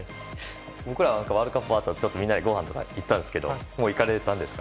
僕らワールドカップ終わったあとにみんなでご飯とか行ったんですがもう、行かれたんですか？